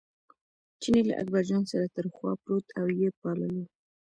چیني له اکبرجان سره تر خوا پروت او یې پاللو.